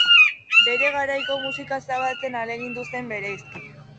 Bere garaiko musika zabaltzen ahalegindu zen bereziki.